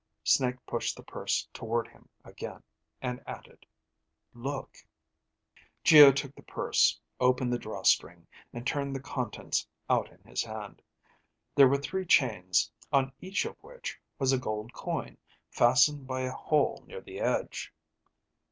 Snake pushed the purse toward him again, and added, Look ... Geo took the purse, opened the draw string, and turned the contents out in his hand: there were three chains, on each of which was a gold coin fastened by a hole near the edge.